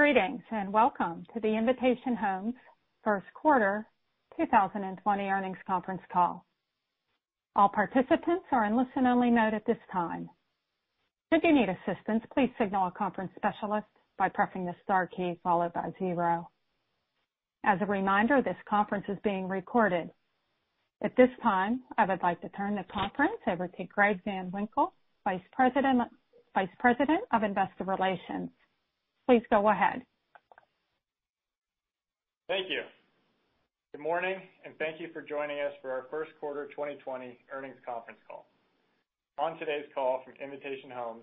Greetings, and welcome to the Invitation Homes first quarter 2020 earnings conference call. All participants are in listen-only mode at this time. If you need assistance, please signal a conference specialist by pressing the star key followed by zero. As a reminder, this conference is being recorded. At this time, I would like to turn the conference over to Greg Van Winkle, Vice President of Investor Relations. Please go ahead. Thank you. Good morning, and thank you for joining us for our first quarter 2020 earnings conference call. On today's call from Invitation Homes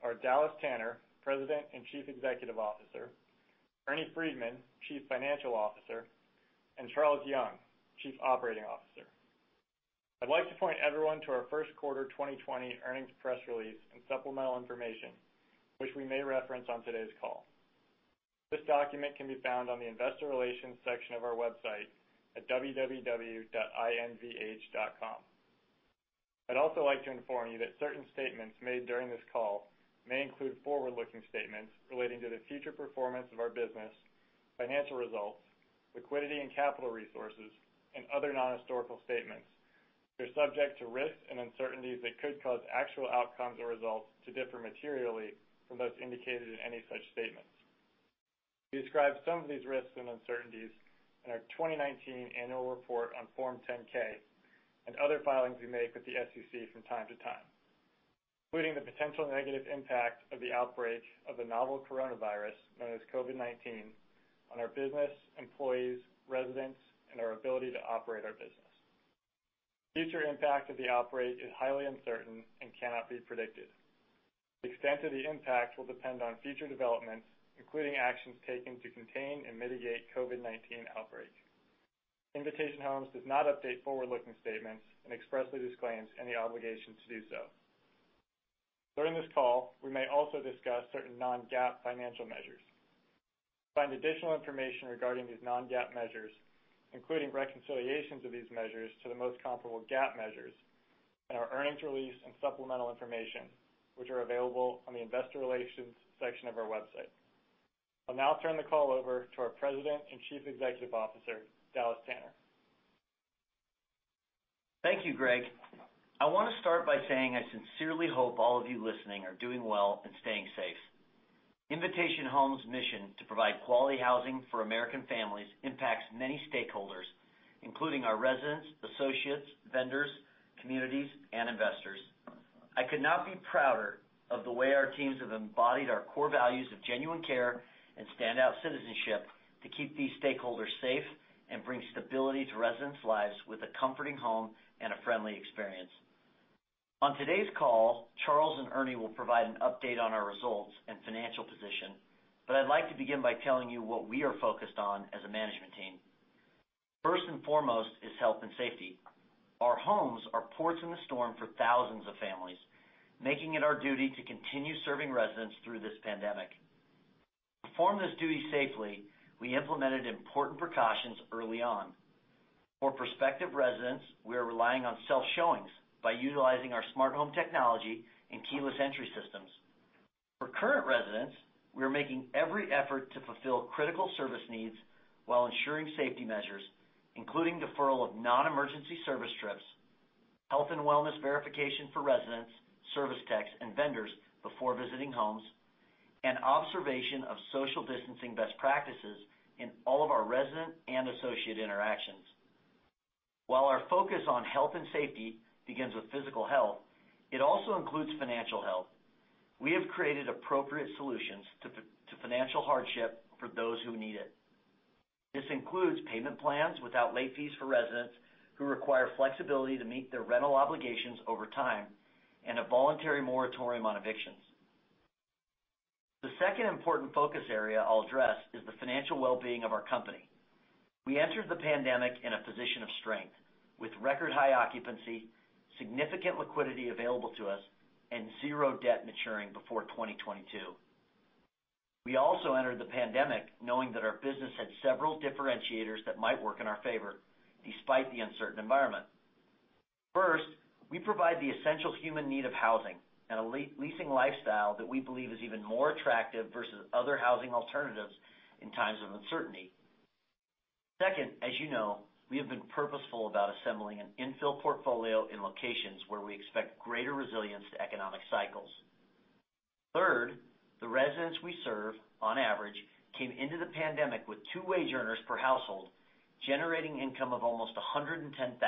are Dallas Tanner, President and Chief Executive Officer, Ernie Freedman, Chief Financial Officer, and Charles Young, Chief Operating Officer. I'd like to point everyone to our first quarter 2020 earnings press release and supplemental information, which we may reference on today's call. This document can be found on the Investor Relations section of our website at www.invh.com. I'd also like to inform you that certain statements made during this call may include forward-looking statements relating to the future performance of our business, financial results, liquidity and capital resources, and other non-historical statements that are subject to risks and uncertainties that could cause actual outcomes or results to differ materially from those indicated in any such statements. We describe some of these risks and uncertainties in our 2019 annual report on Form 10-K and other filings we make with the SEC from time-to-time, including the potential negative impact of the outbreak of the novel coronavirus, known as COVID-19, on our business, employees, residents, and our ability to operate our business. The future impact of the outbreak is highly uncertain and cannot be predicted. The extent of the impact will depend on future developments, including actions taken to contain and mitigate COVID-19 outbreaks. Invitation Homes does not update forward-looking statements and expressly disclaims any obligation to do so. During this call, we may also discuss certain non-GAAP financial measures. Find additional information regarding these non-GAAP measures, including reconciliations of these measures to the most comparable GAAP measures in our earnings release and supplemental information, which are available on the Investor Relations section of our website. I'll now turn the call over to our President and Chief Executive Officer, Dallas Tanner. Thank you, Greg. I want to start by saying I sincerely hope all of you listening are doing well and staying safe. Invitation Homes' mission to provide quality housing for American families impacts many stakeholders, including our residents, associates, vendors, communities, and investors. I could not be prouder of the way our teams have embodied our core values of genuine care and standout citizenship to keep these stakeholders safe and bring stability to residents' lives with a comforting home and a friendly experience. On today's call, Charles and Ernie will provide an update on our results and financial position, but I'd like to begin by telling you what we are focused on as a management team. First and foremost is health and safety. Our homes are ports in the storm for thousands of families, making it our duty to continue serving residents through this pandemic. To perform this duty safely, we implemented important precautions early on. For prospective residents, we are relying on self-showings by utilizing our Smart Home technology and keyless entry systems. For current residents, we are making every effort to fulfill critical service needs while ensuring safety measures, including deferral of non-emergency service trips, health and wellness verification for residents, service techs, and vendors before visiting homes, and observation of social distancing best practices in all of our resident and associate interactions. While our focus on health and safety begins with physical health, it also includes financial health. We have created appropriate solutions to financial hardship for those who need it. This includes payment plans without late fees for residents who require flexibility to meet their rental obligations over time, and a voluntary moratorium on evictions. The second important focus area I'll address is the financial well-being of our company. We entered the pandemic in a position of strength with record-high occupancy, significant liquidity available to us, and zero debt maturing before 2022. We also entered the pandemic knowing that our business had several differentiators that might work in our favor, despite the uncertain environment. First, we provide the essential human need of housing and a leasing lifestyle that we believe is even more attractive versus other housing alternatives in times of uncertainty. Second, as you know, we have been purposeful about assembling an infill portfolio in locations where we expect greater resilience to economic cycles. Third, the residents we serve, on average, came into the pandemic with two wage earners per household, generating income of almost $110,000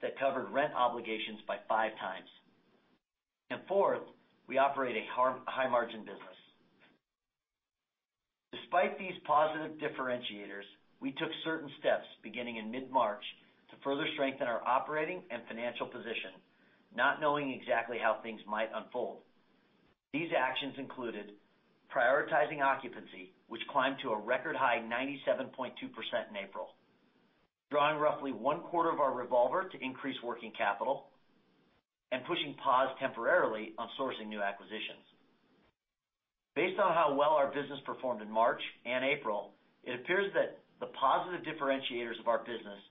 that covered rent obligations by five times. Fourth, we operate a high-margin business. Despite these positive differentiators, we took certain steps beginning in mid-March to further strengthen our operating and financial position, not knowing exactly how things might unfold. These actions included prioritizing occupancy, which climbed to a record high 97.2% in April, drawing roughly 1/4 of our revolver to increase working capital, and pushing pause temporarily on sourcing new acquisitions. Based on how well our business performed in March and April, it appears that the positive differentiators of our business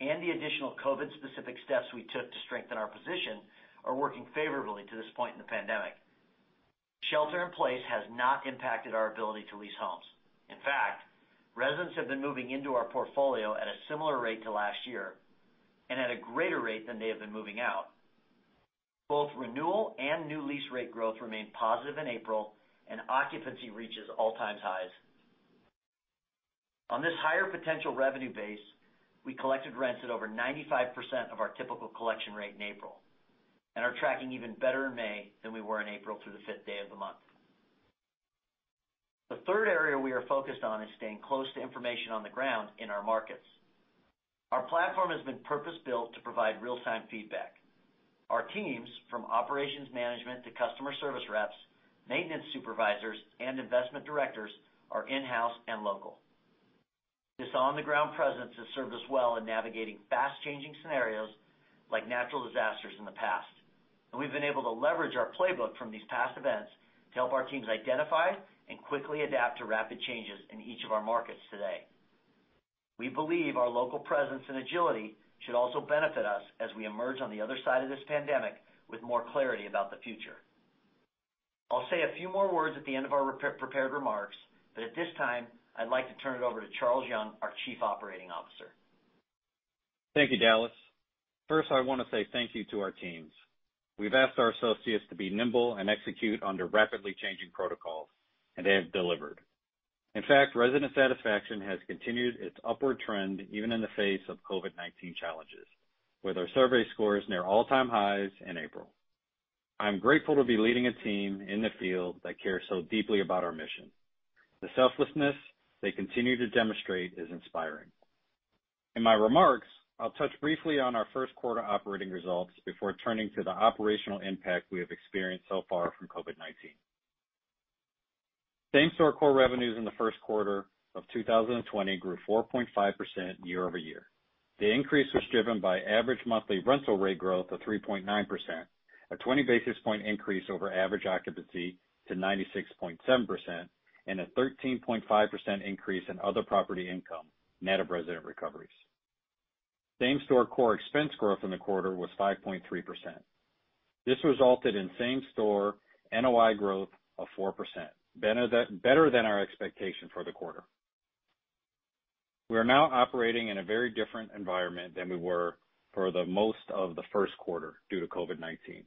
and the additional COVID-19 specific steps we took to strengthen our position are working favorably to this point in the pandemic. Shelter-in-place has not impacted our ability to lease homes. In fact, residents have been moving into our portfolio at a similar rate to last year, and at a greater rate than they have been moving out. Both renewal and new lease rate growth remained positive in April, and occupancy reaches all-time highs. On this higher potential revenue base, we collected rents at over 95% of our typical collection rate in April, and are tracking even better in May than we were in April through the fifth day of the month. The third area we are focused on is staying close to information on the ground in our markets. Our platform has been purpose-built to provide real-time feedback. Our teams, from operations management to customer service reps, maintenance supervisors, and investment directors, are in-house and local. This on-the-ground presence has served us well in navigating fast-changing scenarios like natural disasters in the past, and we've been able to leverage our playbook from these past events to help our teams identify and quickly adapt to rapid changes in each of our markets today. We believe our local presence and agility should also benefit us as we emerge on the other side of this pandemic with more clarity about the future. I'll say a few more words at the end of our prepared remarks, but at this time, I'd like to turn it over to Charles Young, our Chief Operating Officer. Thank you, Dallas. First, I want to say thank you to our teams. We've asked our associates to be nimble and execute under rapidly changing protocols, and they have delivered. In fact, resident satisfaction has continued its upward trend, even in the face of COVID-19 challenges, with our survey scores near all-time highs in April. I'm grateful to be leading a team in the field that cares so deeply about our mission. The selflessness they continue to demonstrate is inspiring. In my remarks, I'll touch briefly on our first quarter operating results before turning to the operational impact we have experienced so far from COVID-19. Same-store core revenues in the first quarter of 2020 grew 4.5% year-over-year. The increase was driven by average monthly rental rate growth of 3.9%, a 20 basis point increase over average occupancy to 96.7%, and a 13.5% increase in other property income, net of resident recoveries. Same-store core expense growth in the quarter was 5.3%. This resulted in same-store NOI growth of 4%, better than our expectation for the quarter. We are now operating in a very different environment than we were for the most of the first quarter due to COVID-19.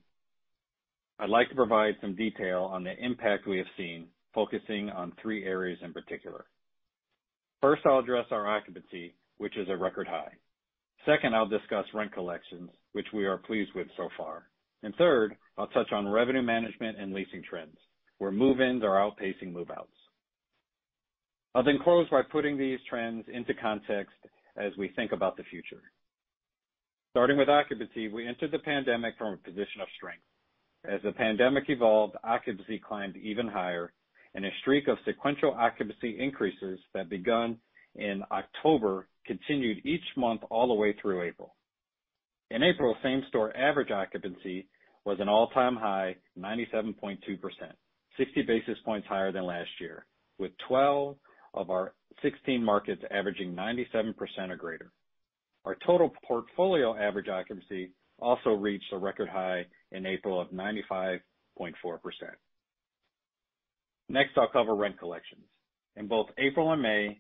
I'd like to provide some detail on the impact we have seen, focusing on three areas in particular. First, I'll address our occupancy, which is a record high. Second, I'll discuss rent collections, which we are pleased with so far. Third, I'll touch on revenue management and leasing trends, where move-ins are outpacing move-outs. I'll close by putting these trends into context as we think about the future. Starting with occupancy, we entered the pandemic from a position of strength. As the pandemic evolved, occupancy climbed even higher, and a streak of sequential occupancy increases that began in October continued each month all the way through April. In April, same-store average occupancy was an all-time high 97.2%, 60 basis points higher than last year, with 12 of our 16 markets averaging 97% or greater. Our total portfolio average occupancy also reached a record high in April of 95.4%. Next, I'll cover rent collections. In both April and May,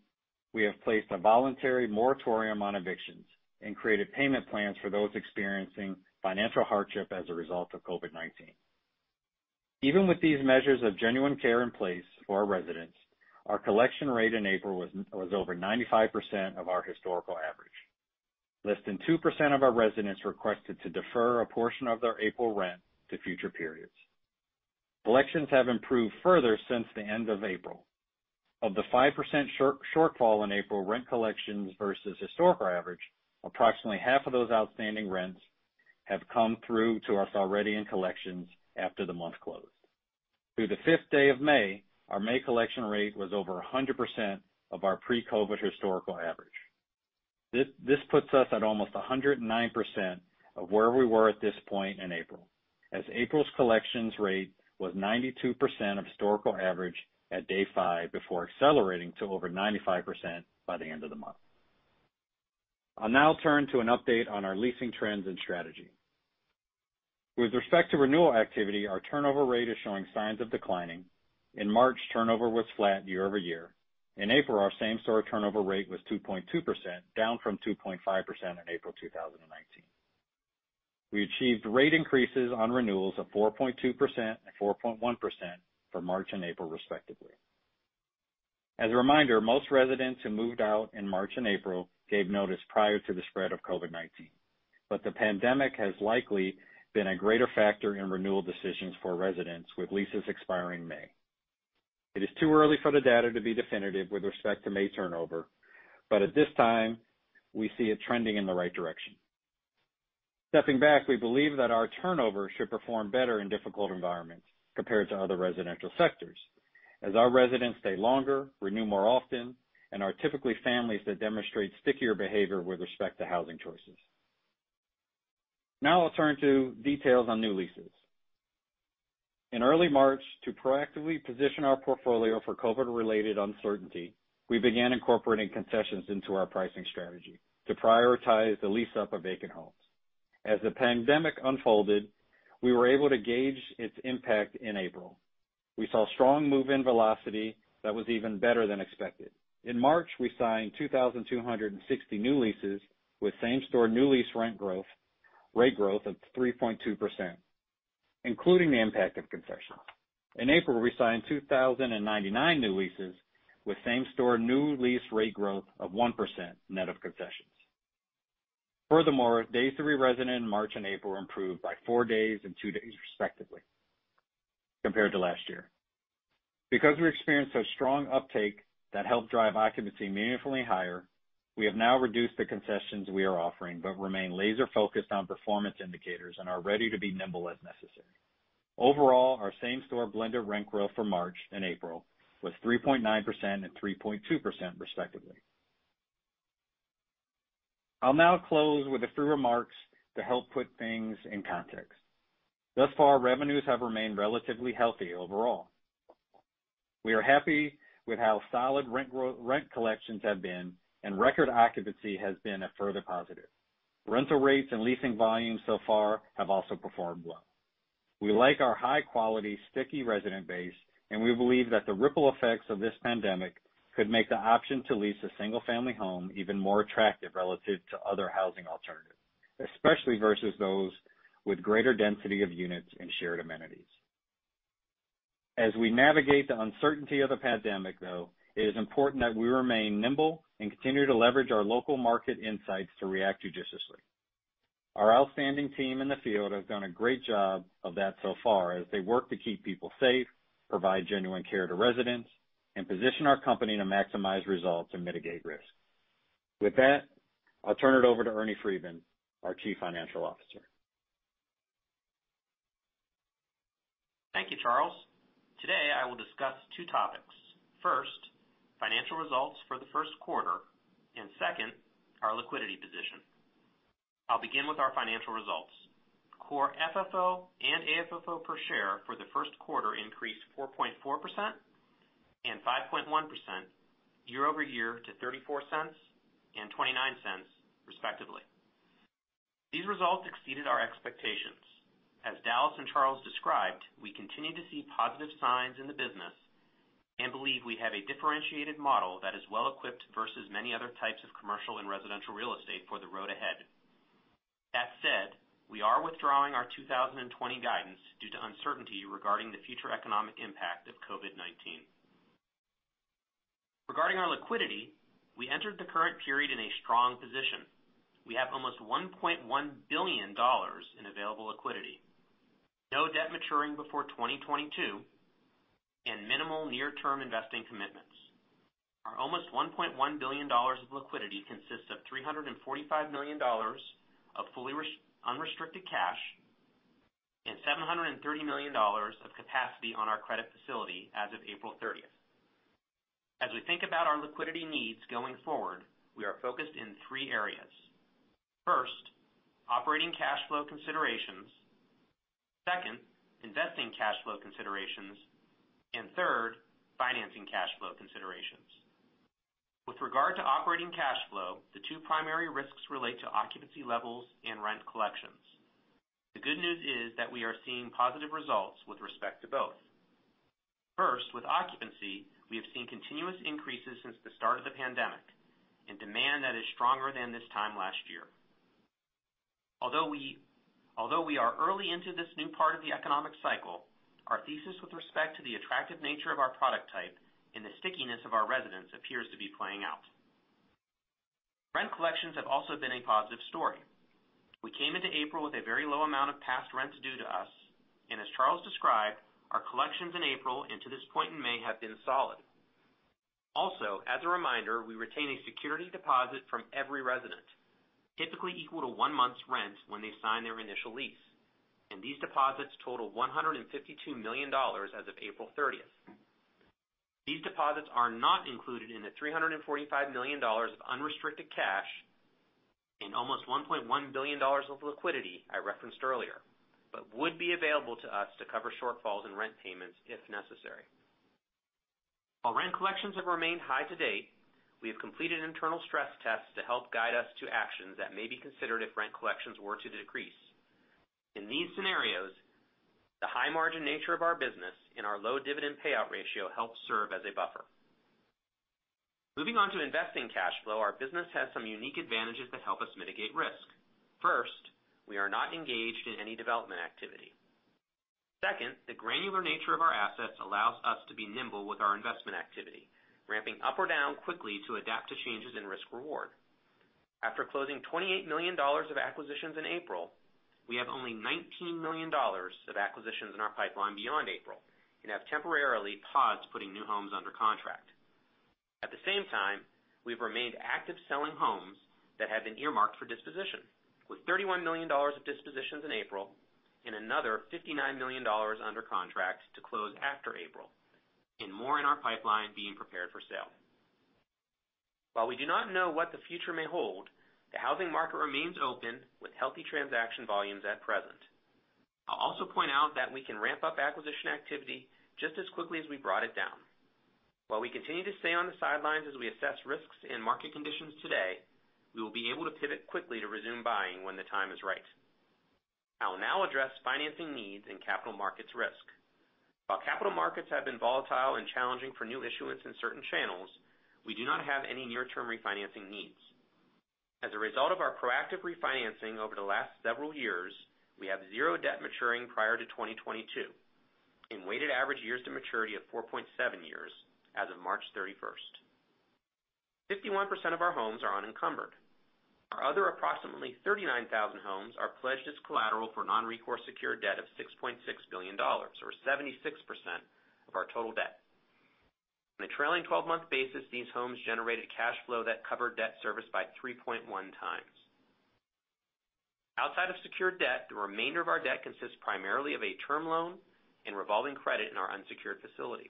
we have placed a voluntary moratorium on evictions and created payment plans for those experiencing financial hardship as a result of COVID-19. Even with these measures of genuine care in place for our residents, our collection rate in April was over 95% of our historical average. Less than 2% of our residents requested to defer a portion of their April rent to future periods. Collections have improved further since the end of April. Of the 5% shortfall in April rent collections versus historical average, approximately half of those outstanding rents have come through to us already in collections after the month closed. Through the fifth day of May, our May collection rate was over 100% of our pre-COVID historical average. This puts us at almost 109% of where we were at this point in April, as April's collections rate was 92% of historical average at day five before accelerating to over 95% by the end of the month. I'll now turn to an update on our leasing trends and strategy. With respect to renewal activity, our turnover rate is showing signs of declining. In March, turnover was flat year-over-year. In April, our same-store turnover rate was 2.2%, down from 2.5% in April 2019. We achieved rate increases on renewals of 4.2% and 4.1% for March and April respectively. As a reminder, most residents who moved out in March and April gave notice prior to the spread of COVID-19. The pandemic has likely been a greater factor in renewal decisions for residents with leases expiring in May. It is too early for the data to be definitive with respect to May turnover, but at this time, we see it trending in the right direction. Stepping back, we believe that our turnover should perform better in difficult environments compared to other residential sectors as our residents stay longer, renew more often, and are typically families that demonstrate stickier behavior with respect to housing choices. Now I'll turn to details on new leases. In early March, to proactively position our portfolio for COVID-related uncertainty, we began incorporating concessions into our pricing strategy to prioritize the lease-up of vacant homes. As the pandemic unfolded, we were able to gauge its impact in April. We saw strong move-in velocity that was even better than expected. In March, we signed 2,260 new leases with same-store new lease rent rate growth of 3.2%, including the impact of concessions. In April, we signed 2,099 new leases with same-store new lease rate growth of 1% net of concessions. Furthermore, days to re-resident in March and April improved by four days and two days, respectively, compared to last year. Because we experienced such strong uptake that helped drive occupancy meaningfully higher, we have now reduced the concessions we are offering but remain laser-focused on performance indicators and are ready to be nimble as necessary. Overall, our same-store blended rent growth for March and April was 3.9% and 3.2%, respectively. I'll now close with a few remarks to help put things in context. Thus far, revenues have remained relatively healthy overall. We are happy with how solid rent collections have been, and record occupancy has been a further positive. Rental rates and leasing volumes so far have also performed well. We like our high-quality, sticky resident base, and we believe that the ripple effects of this pandemic could make the option to lease a single-family home even more attractive relative to other housing alternatives, especially versus those with greater density of units and shared amenities. As we navigate the uncertainty of the pandemic, though, it is important that we remain nimble and continue to leverage our local market insights to react judiciously. Our outstanding team in the field have done a great job of that so far as they work to keep people safe, provide genuine care to residents, and position our company to maximize results and mitigate risk. With that, I'll turn it over to Ernie Freedman, our Chief Financial Officer. Thank you, Charles. Today, I will discuss two topics. First, financial results for the first quarter, and second, our liquidity position. I'll begin with our financial results. Core FFO and AFFO per share for the first quarter increased 4.4% and 5.1% year-over-year to $0.34 and $0.29, respectively. These results exceeded our expectations. As Dallas and Charles described, we continue to see positive signs in the business and believe we have a differentiated model that is well-equipped versus many other types of commercial and residential real estate for the road ahead. That said, we are withdrawing our 2020 guidance due to uncertainty regarding the future economic impact of COVID-19. Regarding our liquidity, we entered the current period in a strong position. We have almost $1.1 billion in available liquidity, no debt maturing before 2022, and minimal near-term investing commitments. Our almost $1.1 billion of liquidity consists of $345 million of fully unrestricted cash and $730 million of capacity on our credit facility as of April 30th. As we think about our liquidity needs going forward, we are focused in three areas. First, operating cash flow considerations. Second, investing cash flow considerations. Third, financing cash flow considerations. With regard to operating cash flow, the two primary risks relate to occupancy levels and rent collections. The good news is that we are seeing positive results with respect to both. First, with occupancy, we have seen continuous increases since the start of the pandemic and demand that is stronger than this time last year. Although we are early into this new part of the economic cycle, our thesis with respect to the attractive nature of our product type and the stickiness of our residents appears to be playing out. Rent collections have also been a positive story. We came into April with a very low amount of past rent due to us, and as Charles described, our collections in April and to this point in May have been solid. Also, as a reminder, we retain a security deposit from every resident, typically equal to one month's rent when they sign their initial lease, and these deposits total $152 million as of April 30th. These deposits are not included in the $345 million of unrestricted cash and almost $1.1 billion of liquidity I referenced earlier, but would be available to us to cover shortfalls in rent payments if necessary. While rent collections have remained high to date, we have completed internal stress tests to help guide us to actions that may be considered if rent collections were to decrease. In these scenarios, the high-margin nature of our business and our low dividend payout ratio help serve as a buffer. Moving on to investing cash flow, our business has some unique advantages that help us mitigate risk. First, we are not engaged in any development activity. Second, the granular nature of our assets allows us to be nimble with our investment activity, ramping up or down quickly to adapt to changes in risk/reward. After closing $28 million of acquisitions in April, we have only $19 million of acquisitions in our pipeline beyond April and have temporarily paused putting new homes under contract. At the same time, we've remained active selling homes that have been earmarked for disposition, with $31 million of dispositions in April and another $59 million under contract to close after April, and more in our pipeline being prepared for sale. While we do not know what the future may hold, the housing market remains open with healthy transaction volumes at present. I'll also point out that we can ramp up acquisition activity just as quickly as we brought it down. While we continue to stay on the sidelines as we assess risks and market conditions today, we will be able to pivot quickly to resume buying when the time is right. I'll now address financing needs and capital markets risk. While capital markets have been volatile and challenging for new issuance in certain channels, we do not have any near-term refinancing needs. As a result of our proactive refinancing over the last several years, we have zero debt maturing prior to 2022 and weighted average years to maturity of 4.7 years as of March 31st. 51% of our homes are unencumbered. Our other approximately 39,000 homes are pledged as collateral for non-recourse secured debt of $6.6 billion, or 76% of our total debt. On a trailing 12-month basis, these homes generated cash flow that covered debt service by 3.1 times. Outside of secured debt, the remainder of our debt consists primarily of a term loan and revolving credit in our unsecured facility.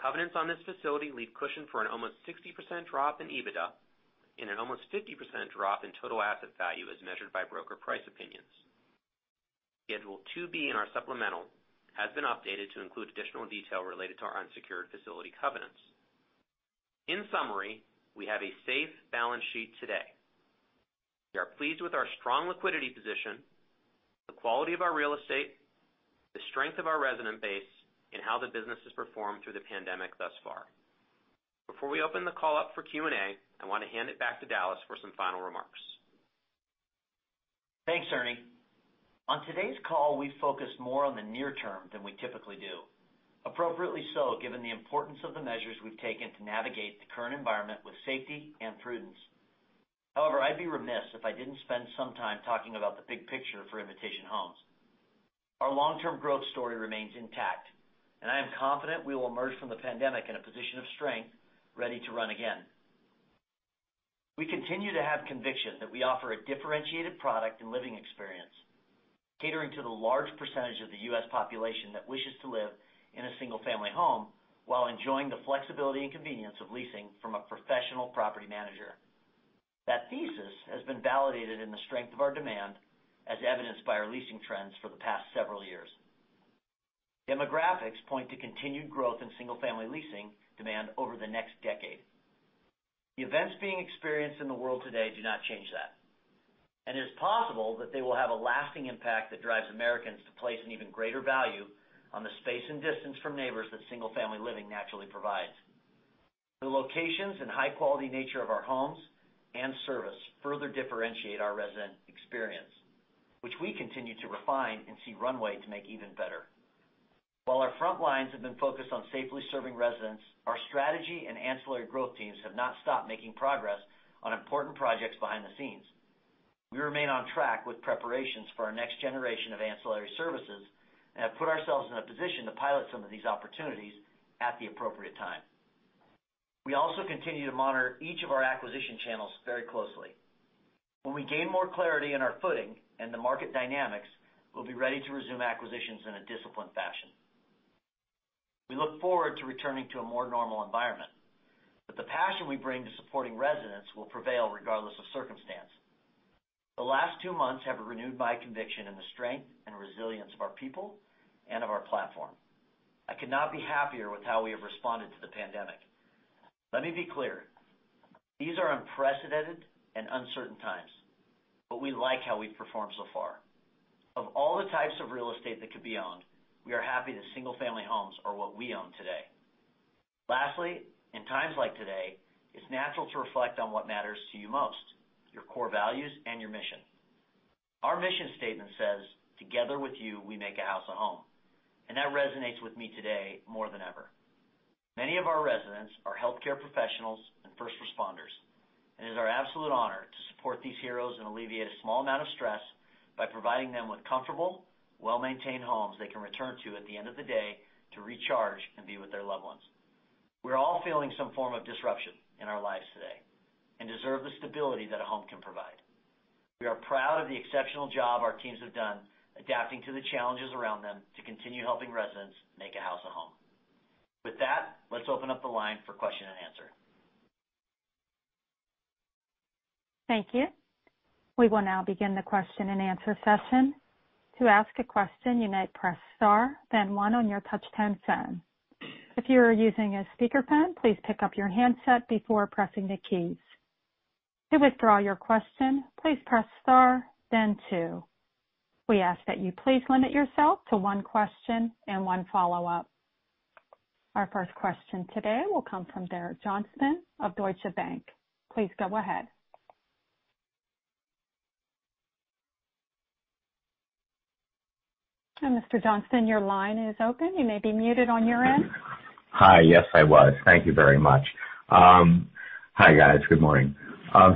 Covenants on this facility leave cushion for an almost 60% drop in EBITDA and an almost 50% drop in total asset value as measured by broker price opinions. Schedule 2B in our supplemental has been updated to include additional detail related to our unsecured facility covenants. In summary, we have a safe balance sheet today. We are pleased with our strong liquidity position, the quality of our real estate, the strength of our resident base, and how the business has performed through the pandemic thus far. Before we open the call up for Q&A, I want to hand it back to Dallas for some final remarks. Thanks, Ernie. On today's call, we focused more on the near term than we typically do. Appropriately so, given the importance of the measures we've taken to navigate the current environment with safety and prudence. However, I'd be remiss if I didn't spend some time talking about the big picture for Invitation Homes. Our long-term growth story remains intact, and I am confident we will emerge from the pandemic in a position of strength, ready to run again. We continue to have conviction that we offer a differentiated product and living experience, catering to the large percentage of the U.S. population that wishes to live in a single-family home while enjoying the flexibility and convenience of leasing from a professional property manager. That thesis has been validated in the strength of our demand, as evidenced by our leasing trends for the past several years. Demographics point to continued growth in single-family leasing demand over the next decade. The events being experienced in the world today do not change that, and it is possible that they will have a lasting impact that drives Americans to place an even greater value on the space and distance from neighbors that single-family living naturally provides. The locations and high-quality nature of our homes and service further differentiate our resident experience, which we continue to refine and see runway to make even better. While our front lines have been focused on safely serving residents, our strategy and ancillary growth teams have not stopped making progress on important projects behind the scenes. We remain on track with preparations for our next generation of ancillary services and have put ourselves in a position to pilot some of these opportunities at the appropriate time. We also continue to monitor each of our acquisition channels very closely. When we gain more clarity in our footing and the market dynamics, we'll be ready to resume acquisitions in a disciplined fashion. We look forward to returning to a more normal environment, but the passion we bring to supporting residents will prevail regardless of circumstance. The last two months have renewed my conviction in the strength and resilience of our people and of our platform. I could not be happier with how we have responded to the pandemic. Let me be clear. These are unprecedented and uncertain times, but we like how we've performed so far. Of all the types of real estate that could be owned, we are happy that single-family homes are what we own today. Lastly, in times like today, it's natural to reflect on what matters to you most, your core values and your mission. Our mission statement says, "Together with you, we make a house a home." That resonates with me today more than ever. Many of our residents are healthcare professionals and first responders. It is our absolute honor to support these heroes and alleviate a small amount of stress by providing them with comfortable, well-maintained homes they can return to at the end of the day to recharge and be with their loved ones. We're all feeling some form of disruption in our lives today and deserve the stability that a home can provide. We are proud of the exceptional job our teams have done adapting to the challenges around them to continue helping residents make a house a home. With that, let's open up the line for question-and-answer. Thank you. We will now begin the question-and-answer session. To ask a question, you may press star, then one on your touch-tone phone. If you are using a speakerphone, please pick up your handset before pressing the keys. To withdraw your question, please press star, then two. We ask that you please limit yourself to one question and one follow-up. Our first question today will come from Derek Johnston of Deutsche Bank. Please go ahead. Hi, Mr. Johnston, your line is open. You may be muted on your end. Hi. Yes, I was. Thank you very much. Hi, guys. Good morning.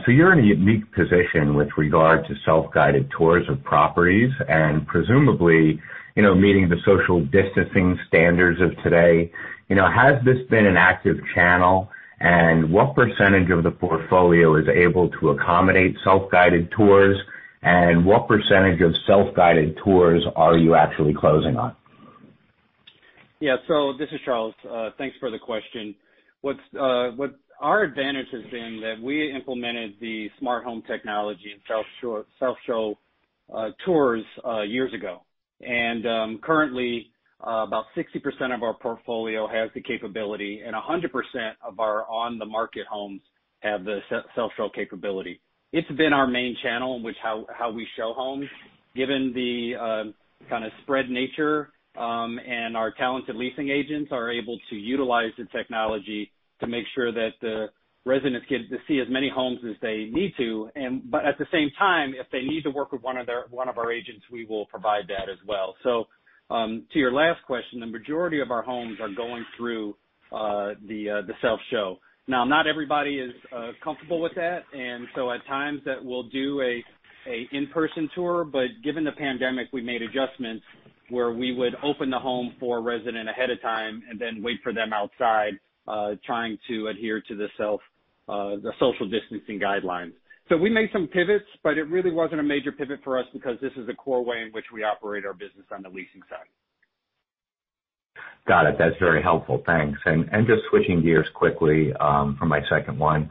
You're in a unique position with regard to self-guided tours of properties and presumably meeting the social distancing standards of today. Has this been an active channel? What percentage of the portfolio is able to accommodate self-guided tours? What percentage of self-guided tours are you actually closing on? Yeah. This is Charles. Thanks for the question. Our advantage has been that we implemented the Smart Home technology in self-show tours years ago. Currently, about 60% of our portfolio has the capability, and 100% of our on-the-market homes have the self-show capability. It's been our main channel in which how we show homes, given the kind of spread nature, and our talented leasing agents are able to utilize the technology to make sure that the residents get to see as many homes as they need to. At the same time, if they need to work with one of our agents, we will provide that as well. To your last question, the majority of our homes are going through the self-show. Not everybody is comfortable with that, and so at times that we'll do a in-person tour. Given the pandemic, we made adjustments where we would open the home for a resident ahead of time and then wait for them outside, trying to adhere to the social distancing guidelines. We made some pivots, but it really wasn't a major pivot for us because this is a core way in which we operate our business on the leasing side. Got it. That's very helpful. Thanks. Just switching gears quickly, for my second one.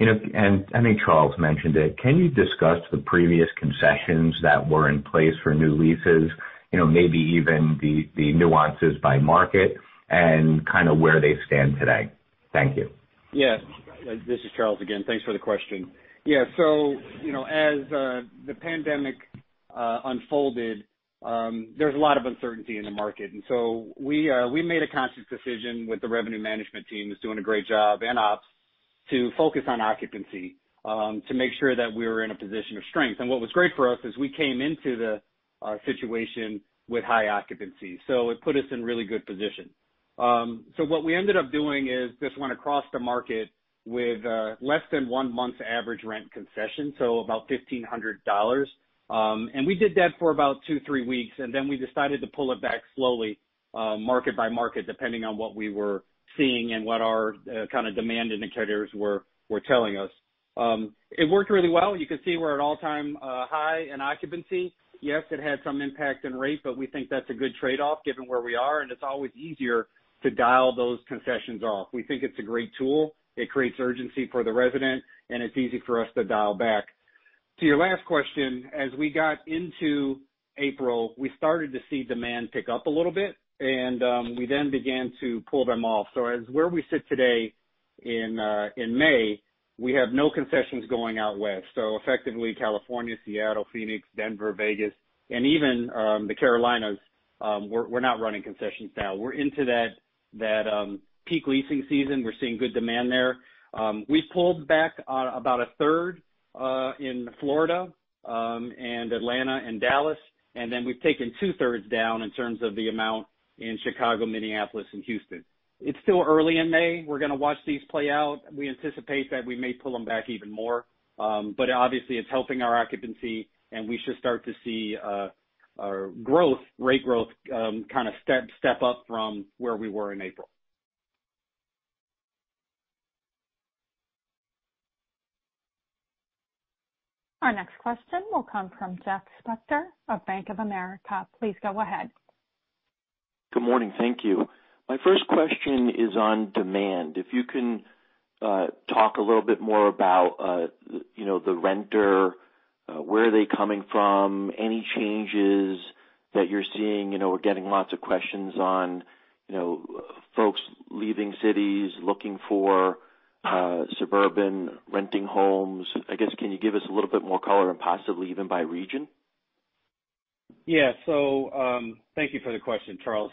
I think Charles mentioned it. Can you discuss the previous concessions that were in place for new leases, maybe even the nuances by market and kind of where they stand today? Thank you. Yeah. This is Charles again. Thanks for the question. Yeah. As the pandemic unfolded, there's a lot of uncertainty in the market. We made a conscious decision with the revenue management team, who's doing a great job, and ops to focus on occupancy to make sure that we were in a position of strength. What was great for us is we came into the situation with high occupancy, so it put us in really good position. What we ended up doing is just went across the market with less than one month's average rent concession, so about $1,500. We did that for about two, three weeks, and then we decided to pull it back slowly, market-by-market, depending on what we were seeing and what our kind of demand indicators were telling us. It worked really well. You can see we're at all-time high in occupancy. Yes, it had some impact in rate, but we think that's a good trade-off given where we are, and it's always easier to dial those concessions off. We think it's a great tool. It creates urgency for the resident, and it's easy for us to dial back. To your last question, as we got into April, we started to see demand pick up a little bit, and we then began to pull them off. As where we sit today in May, we have no concessions going out West. Effectively, California, Seattle, Phoenix, Denver, Vegas, and even the Carolinas, we're not running concessions now. We're into that peak leasing season. We're seeing good demand there. We pulled back about 1/3 in Florida and Atlanta and Dallas, and then we've taken 2/3 down in terms of the amount in Chicago, Minneapolis, and Houston. It's still early in May. We're going to watch these play out. We anticipate that we may pull them back even more. Obviously, it's helping our occupancy, and we should start to see our rate growth kind of step up from where we were in April. Our next question will come from Jeff Spector of Bank of America. Please go ahead. Good morning. Thank you. My first question is on demand. If you can talk a little bit more about the renter, where are they coming from, any changes that you're seeing? We're getting lots of questions on folks leaving cities, looking for suburban renting homes. I guess, can you give us a little bit more color and possibly even by region? Yeah. Thank you for the question. Charles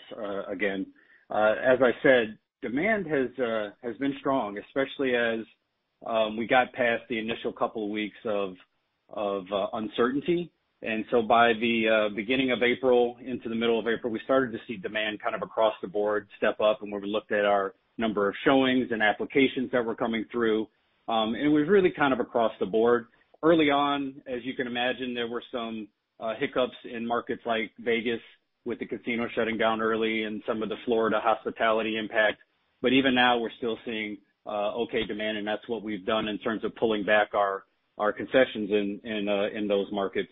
again. As I said, demand has been strong, especially as we got past the initial couple of weeks of uncertainty. By the beginning of April into the middle of April, we started to see demand kind of across the board step up. When we looked at our number of showings and applications that were coming through, and it was really kind of across the board. Early on, as you can imagine, there were some hiccups in markets like Vegas with the casinos shutting down early and some of the Florida hospitality impact. Even now, we're still seeing okay demand, and that's what we've done in terms of pulling back our concessions in those markets.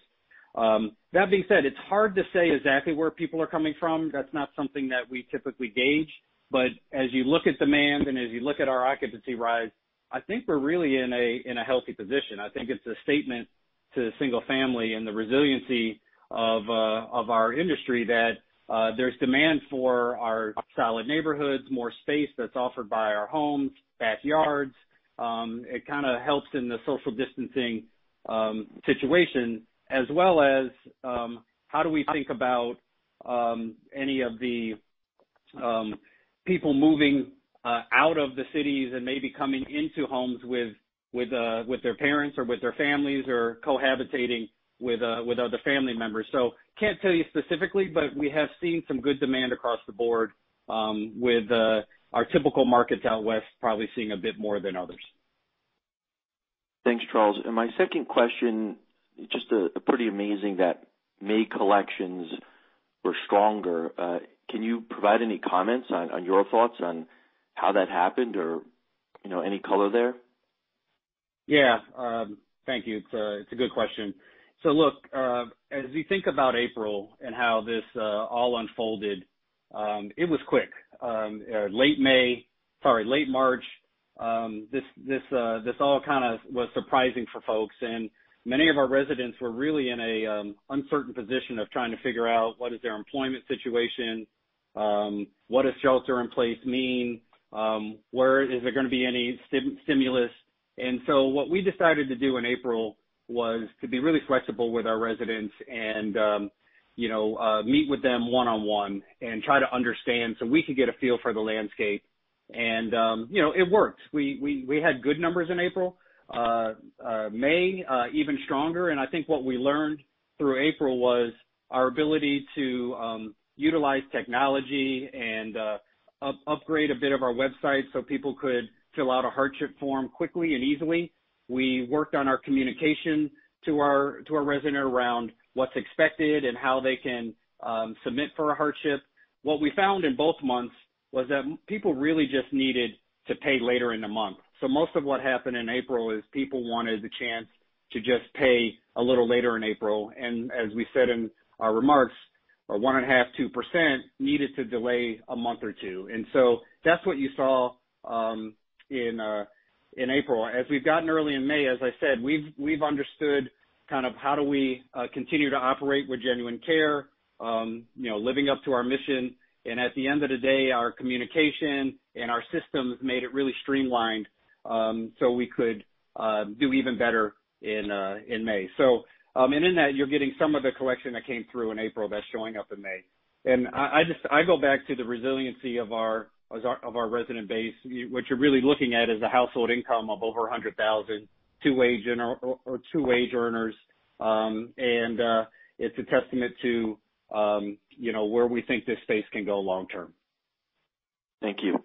That being said, it's hard to say exactly where people are coming from. That's not something that we typically gauge, but as you look at demand and as you look at our occupancy rise, I think we're really in a healthy position. I think it's a statement to single-family and the resiliency of our industry that there's demand for our solid neighborhoods, more space that's offered by our homes, backyards. It kind of helps in the social distancing situation as well as how do we think about any of the people moving out of the cities and maybe coming into homes with their parents or with their families, or cohabitating with other family members. Can't tell you specifically, but we have seen some good demand across the board, with our typical markets out West probably seeing a bit more than others. Thanks, Charles. My second question, just pretty amazing that May collections were stronger. Can you provide any comments on your thoughts on how that happened or any color there? Yeah. Thank you. It's a good question. Look, as we think about April and how this all unfolded, it was quick. Late March, this all kind of was surprising for folks, and many of our residents were really in an uncertain position of trying to figure out what is their employment situation, what does shelter-in-place mean, is there going to be any stimulus? What we decided to do in April was to be really flexible with our residents and meet with them one-on-one and try to understand so we could get a feel for the landscape. It worked. We had good numbers in April. May, even stronger. I think what we learned through April was our ability to utilize technology and upgrade a bit of our website so people could fill out a hardship form quickly and easily. We worked on our communication to our resident around what's expected and how they can submit for a hardship. What we found in both months was that people really just needed to pay later in the month. Most of what happened in April is people wanted the chance to just pay a little later in April. As we said in our remarks, 1.5%, 2% needed to delay a month or two. That's what you saw in April. As we've gotten early in May, as I said, we've understood kind of how do we continue to operate with genuine care, living up to our mission. At the end of the day, our communication and our systems made it really streamlined, so we could do even better in May. In that, you're getting some of the collection that came through in April that's showing up in May. I go back to the resiliency of our resident base. What you're really looking at is a household income of over $100,000, two wage earners. It's a testament to where we think this space can go long term. Thank you.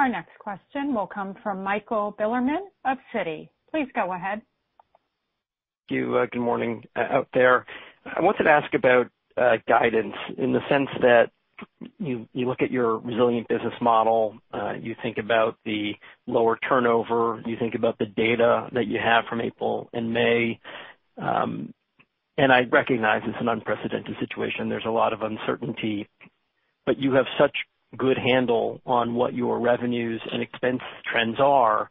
Our next question will come from Michael Bilerman of Citi. Please go ahead. Thank you. Good morning out there. I wanted to ask about guidance in the sense that you look at your resilient business model, you think about the lower turnover, you think about the data that you have from April and May. I recognize it's an unprecedented situation. There's a lot of uncertainty, but you have such good handle on what your revenues and expense trends are.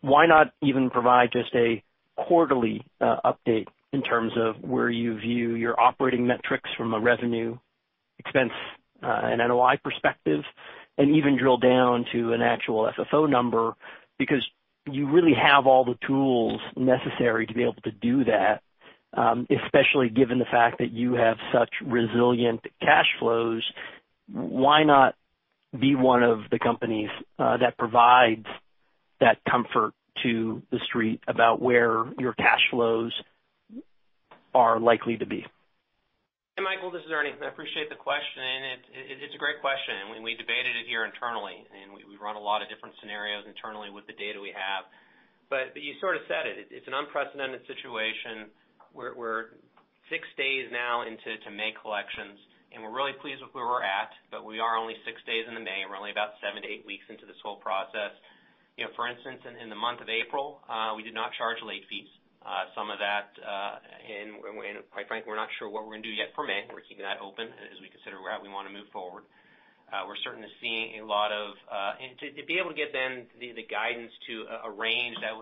Why not even provide just a quarterly update in terms of where you view your operating metrics from a revenue expense and NOI perspective, and even drill down to an actual FFO number? You really have all the tools necessary to be able to do that, especially given the fact that you have such resilient cash flows. Why not be one of the companies that provides that comfort to the street about where your cash flows are likely to be? Hey, Michael. This is Ernie. I appreciate the question. It's a great question. We debated it here internally. We run a lot of different scenarios internally with the data we have. You sort of said it. It's an unprecedented situation. We're six days now into May collections. We're really pleased with where we're at. We are only six days into May. We're only about seven to eight weeks into this whole process. For instance, in the month of April, we did not charge late fees. Some of that. Quite frankly, we're not sure what we're going to do yet for May. We're keeping that open as we consider where we want to move forward. To be able to give them the guidance to a range that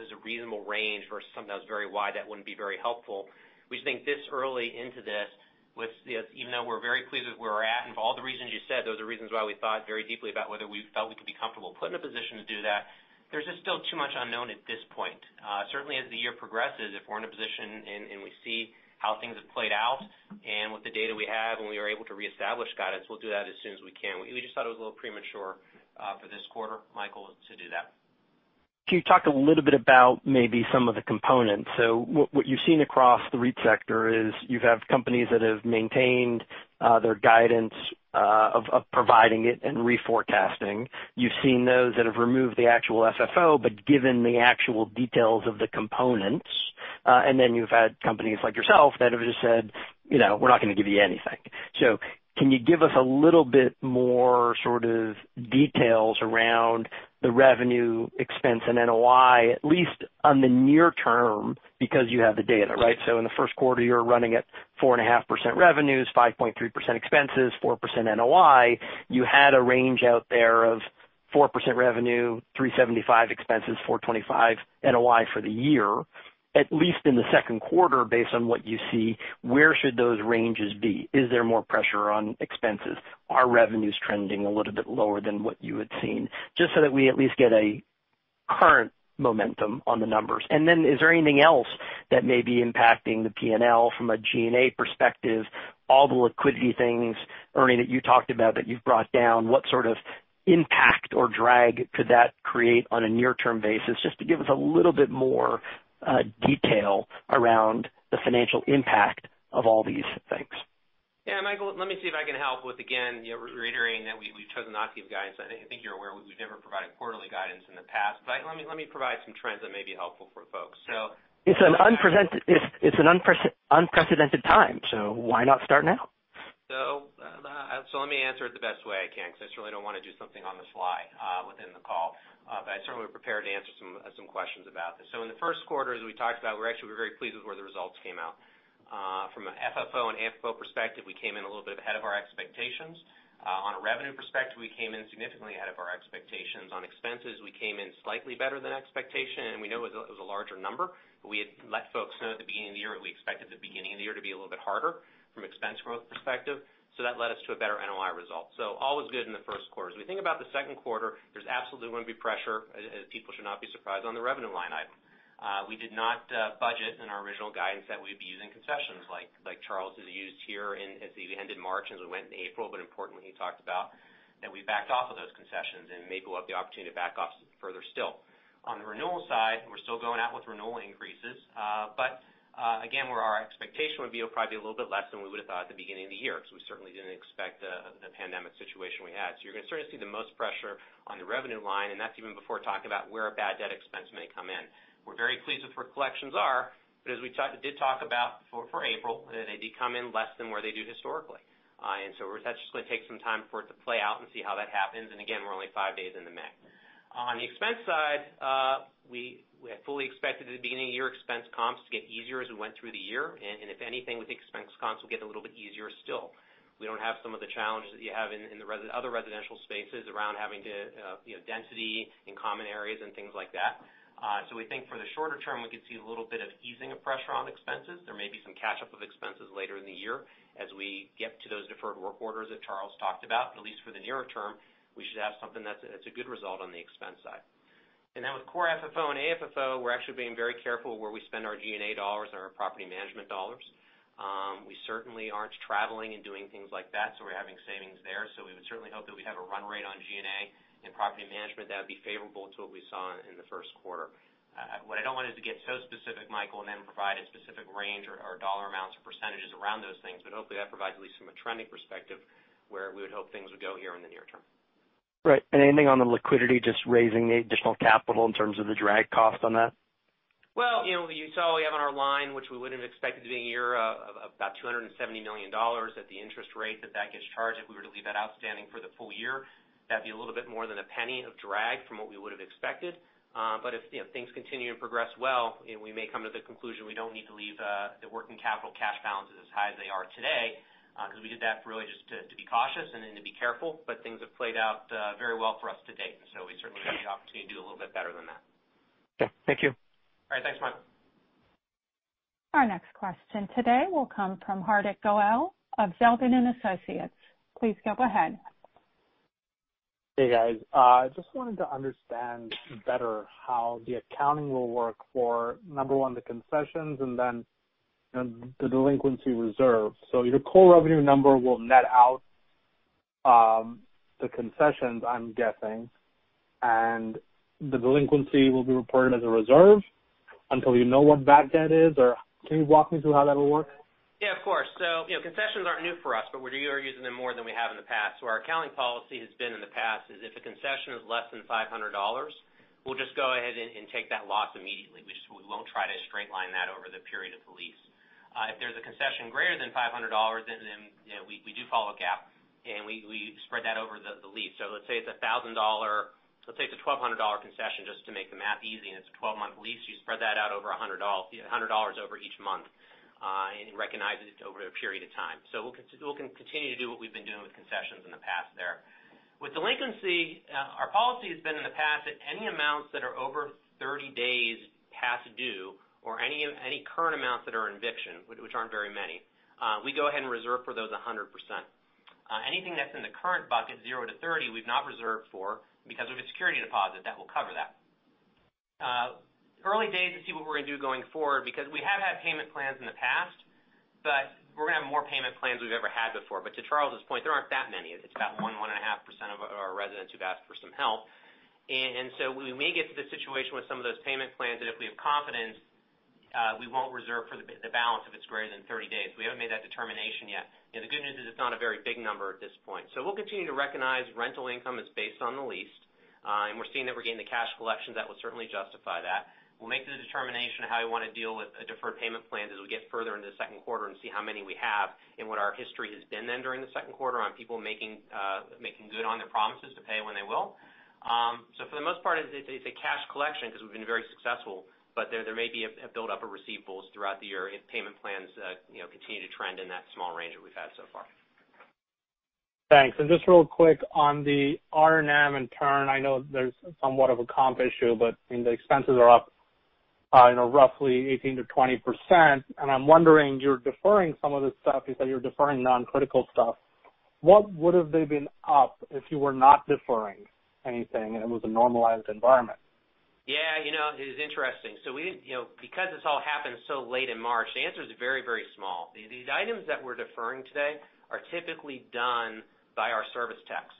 is a reasonable range versus something that was very wide, that wouldn't be very helpful. We think this early into this, even though we're very pleased with where we're at and for all the reasons you said, those are reasons why we thought very deeply about whether we felt we could be comfortable put in a position to do that. There's just still too much unknown at this point. Certainly as the year progresses, if we're in a position and we see how things have played out and with the data we have and we are able to reestablish guidance, we'll do that as soon as we can. We just thought it was a little premature for this quarter, Michael, to do that. Can you talk a little bit about maybe some of the components? What you've seen across the REIT sector is you've seen companies that have maintained their guidance, of providing it and reforecasting. You've seen those that have removed the actual FFO, given the actual details of the components. You've had companies like yourself that have just said, "We're not going to give you anything." Can you give us a little bit more sort of details around the revenue expense and NOI, at least on the near term, because you have the data, right? In the first quarter, you're running at 4.5% revenues, 5.3% expenses, 4% NOI. You had a range out there of 4% revenue, 3.75% expenses, 4.25% NOI for the year. At least in the second quarter, based on what you see, where should those ranges be? Is there more pressure on expenses? Are revenues trending a little bit lower than what you had seen? Just so that we at least get a current momentum on the numbers. Is there anything else that may be impacting the P&L from a G&A perspective? All the liquidity things, Ernie, that you talked about that you've brought down, what sort of impact or drag could that create on a near-term basis? Just to give us a little bit more detail around the financial impact of all these things. Yeah, Michael, let me see if I can help with, again, reiterating that we've chosen not to give guidance. I think you're aware we've never provided quarterly guidance in the past. Let me provide some trends that may be helpful for folks. It's an unprecedented time, so why not start now? Let me answer it the best way I can, because I certainly don't want to do something on the fly within the call. I'm certainly prepared to answer some questions about this. In the first quarter, as we talked about, we actually were very pleased with where the results came out. From an FFO and AFFO perspective, we came in a little bit ahead of our expectations. On a revenue perspective, we came in significantly ahead of our expectations. On expenses, we came in slightly better than expectation, and we know it was a larger number, but we had let folks know at the beginning of the year what we expected the beginning of the year to be a little bit harder from expense growth perspective. That led us to a better NOI result. All was good in the first quarter. As we think about the second quarter, there's absolutely going to be pressure, as people should not be surprised on the revenue line item. We did not budget in our original guidance that we'd be using concessions like Charles has used here as we ended March, as we went in April, but importantly, he talked about that we backed off of those concessions and may go up the opportunity to back off further still. On the renewal side, we're still going out with renewal increases. But again, where our expectation would be, it'll probably be a little bit less than we would have thought at the beginning of the year, because we certainly didn't expect the pandemic situation we had. You're going to certainly see the most pressure on the revenue line, and that's even before talking about where a bad debt expense may come in. We're very pleased with where collections are, but as we did talk about for April, they do come in less than where they do historically. That's just going to take some time for it to play out and see how that happens. Again, we're only five days into May. On the expense side, we had fully expected at the beginning of year expense comps to get easier as we went through the year. If anything, we think expense comps will get a little bit easier still. We don't have some of the challenges that you have in the other residential spaces around having density in common areas and things like that. We think for the shorter term, we could see a little bit of easing of pressure on expenses. There may be some catch-up of expenses later in the year as we get to those deferred work orders that Charles talked about. At least for the nearer term, we should have something that's a good result on the expense side. With Core FFO and AFFO, we're actually being very careful where we spend our G&A dollars and our property management dollars. We certainly aren't traveling and doing things like that, so we're having savings there. We would certainly hope that we'd have a run rate on G&A and property management that would be favorable to what we saw in the first quarter. What I don't want is to get so specific, Michael, and then provide a specific range or dollar amounts or percentages around those things. Hopefully, that provides at least from a trending perspective, where we would hope things would go here in the near term. Right. Anything on the liquidity, just raising the additional capital in terms of the drag cost on that? You saw we have on our line, which we would have expected to be a year of about $270 million at the interest rate that gets charged if we were to leave that outstanding for the full year. That'd be a little bit more than $0.01 of drag from what we would have expected. If things continue to progress well, we may come to the conclusion we don't need to leave the working capital cash balances as high as they are today, because we did that really just to be cautious and then to be careful. Things have played out very well for us to date, and so we certainly have the opportunity to do a little bit better than that. Okay. Thank you. All right. Thanks, Michael. Our next question today will come from Hardik Goel of Zelman & Associates. Please go ahead. Hey, guys. Just wanted to understand better how the accounting will work for, number one, the concessions and then the delinquency reserve. Your core revenue number will net out the concessions, I'm guessing, and the delinquency will be reported as a reserve until you know what bad debt is? Can you walk me through how that'll work? Of course. Concessions aren't new for us, but we are using them more than we have in the past. Our accounting policy has been in the past is if a concession is less than $500, we'll just go ahead and take that loss immediately. We won't try to straight line that over the period of the lease. If there's a concession greater than $500, then we do follow GAAP, and we spread that over the lease. Let's say it's a $1,200 concession just to make the math easy, and it's a 12-month lease. You spread that out over $100 over each month, and recognize it over a period of time. We'll continue to do what we've been doing with concessions in the past there. With delinquency, our policy has been in the past that any amounts that are over 30 days past due or any current amounts that are in eviction, which aren't very many, we go ahead and reserve for those 100%. Anything that's in the current bucket, 0-30, we've not reserved for because of a security deposit that will cover that. Early days to see what we're going to do going forward, because we have had payment plans in the past, but we're going to have more payment plans we've ever had before. To Charles' point, there aren't that many. It's about 1%, 1.5% of our residents who've asked for some help. We may get to the situation with some of those payment plans that if we have confidence, we won't reserve for the balance if it's greater than 30 days. We haven't made that determination yet. The good news is it's not a very big number at this point. We'll continue to recognize rental income that's based on the lease. We're seeing that we're getting the cash collections that will certainly justify that. We'll make the determination of how we want to deal with a deferred payment plan as we get further into the second quarter and see how many we have and what our history has been then during the second quarter on people making good on their promises to pay when they will. For the most part, it's a cash collection because we've been very successful, but there may be a buildup of receivables throughout the year if payment plans continue to trend in that small range that we've had so far. Thanks. Just real quick on the R&M and turn, I know there's somewhat of a comp issue, but the expenses are up roughly 18%-20%. I'm wondering, you're deferring some of this stuff. You said you're deferring non-critical stuff. What would have they been up if you were not deferring anything and it was a normalized environment? Yeah. It is interesting. Because this all happened so late in March, the answer is very small. These items that we're deferring today are typically done by our service techs.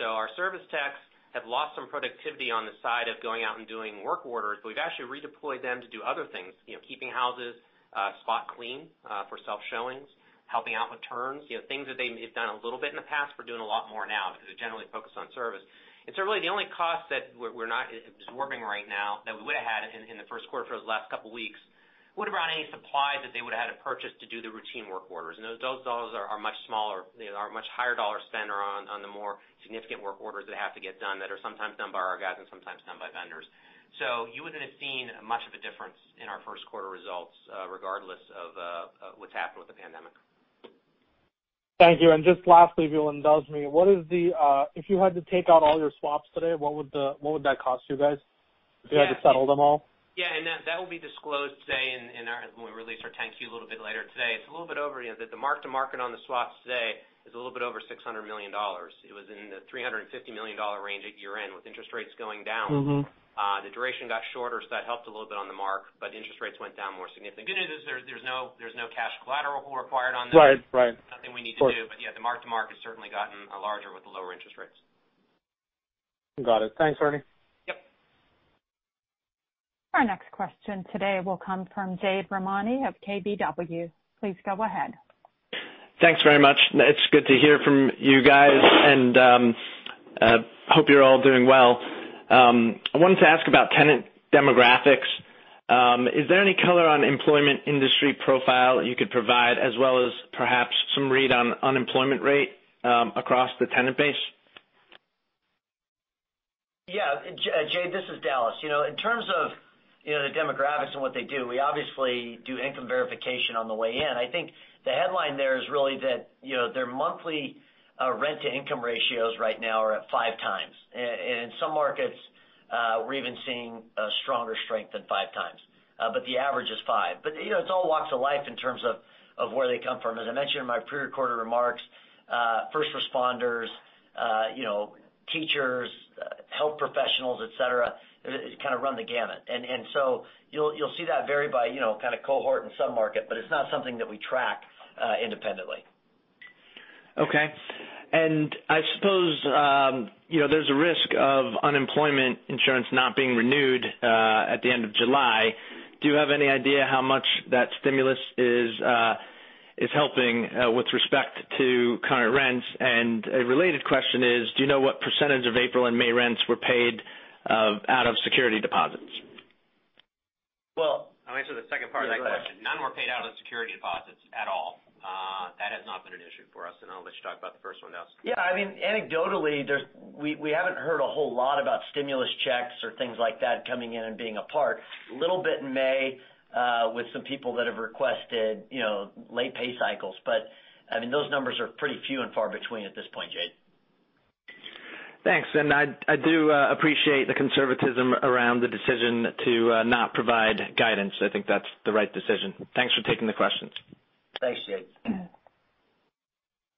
Our service techs have lost some productivity on the side of going out and doing work orders. We've actually redeployed them to do other things, keeping houses spot clean for self-showings, helping out with turns, things that they've done a little bit in the past, we're doing a lot more now because they're generally focused on service. Really, the only cost that we're not absorbing right now that we would have had in the first quarter for those last couple weeks, what about any supplies that they would've had to purchase to do the routine work orders? Those dollars are much smaller. They are much higher dollar spend on the more significant work orders that have to get done that are sometimes done by our guys and sometimes done by vendors. You wouldn't have seen much of a difference in our first quarter results, regardless of what's happened with the pandemic. Thank you. Just lastly, if you'll indulge me, if you had to take out all your swaps today, what would that cost you guys if you had to settle them all? Yeah. That will be disclosed today when we release our Form 10-Q a little bit later today. The mark to market on the swaps today is a little bit over $600 million. It was in the $350 million range at year-end. With interest rates going down. The duration got shorter, so that helped a little bit on the mark, but interest rates went down more significant. Good news is there's no cash collateral required on that. Right. Nothing we need to do- Of course. ....but, yeah, the mark-to-market's certainly gotten larger with the lower interest rates. Got it. Thanks, Ernie. Yep. Our next question today will come from Jade Rahmani of KBW. Please go ahead. Thanks very much. It's good to hear from you guys, and hope you're all doing well. I wanted to ask about tenant demographics. Is there any color on employment industry profile that you could provide as well as perhaps some read on unemployment rate across the tenant base? Yeah. Jade, this is Dallas. In terms of the demographics and what they do, we obviously do income verification on the way in. I think the headline there is really that their monthly rent-to-income ratios right now are at 5x. In some markets, we're even seeing a stronger strength than 5x. The average is 5x. It's all walks of life in terms of where they come from. As I mentioned in my pre-recorded remarks, first responders, teachers, health professionals, etc, kind of run the gamut. You'll see that vary by kind of cohort in some market, but it's not something that we track independently. Okay. I suppose there's a risk of unemployment insurance not being renewed at the end of July. Do you have any idea how much that stimulus is helping with respect to current rents? A related question is, do you know what percentage of April and May rents were paid out of security deposits? Well- I'll answer the second part of that question. Yeah, go ahead. None were paid out of security deposits at all. That has not been an issue for us, and I'll let you talk about the first one, Dallas. Yeah. Anecdotally, we haven't heard a whole lot about stimulus checks or things like that coming in and being a part. There was a little bit in May, with some people that have requested late pay cycles. Those numbers are pretty few and far between at this point, Jade. Thanks. I do appreciate the conservatism around the decision to not provide guidance. I think that's the right decision. Thanks for taking the questions. Thanks, Jade.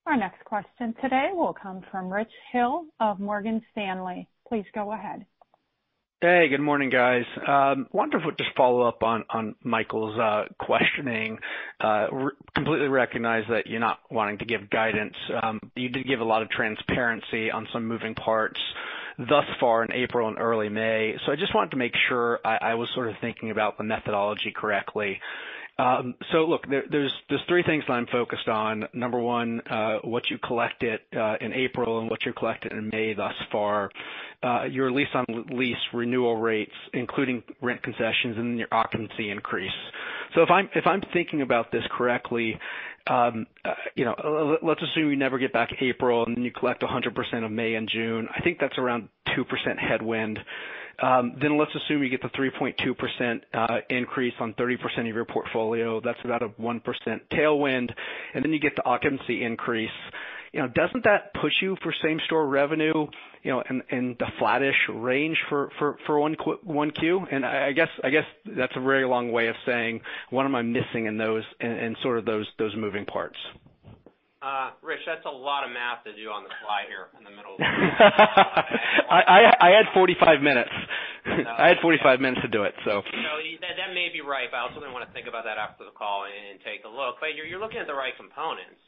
Our next question today will come from Rich Hill of Morgan Stanley. Please go ahead. Hey, good morning, guys. Wanted to just follow up on Michael's questioning. Completely recognize that you're not wanting to give guidance. You did give a lot of transparency on some moving parts thus far in April and early May. I just wanted to make sure I was sort of thinking about the methodology correctly. Look, there's three things that I'm focused on. Number one, what you collected in April and what you collected in May thus far, your lease-on-lease renewal rates, including rent concessions, and then your occupancy increase. If I'm thinking about this correctly, let's assume you never get back April, and then you collect 100% of May and June. I think that's around 2% headwind. Let's assume you get the 3.2% increase on 30% of your portfolio. That's about a 1% tailwind, and then you get the occupancy increase. Doesn't that push you for same-store revenue in the flattish range for 1Q? I guess that's a very long way of saying what am I missing in sort of those moving parts? Rich, that's a lot of math to do on the fly here in the middle of- I had 45 minutes. I had 45 minutes to do it. That may be right. I'll certainly want to think about that after the call and take a look. You're looking at the right components,